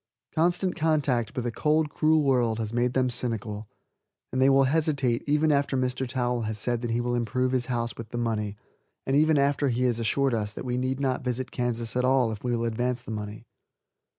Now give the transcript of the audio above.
Constant contact with a cold, cruel world has made them cynical, and they will hesitate even after Mr. Towel has said that he will improve his house with the money, and even after he has assured us that we need not visit Kansas at all if we will advance the money.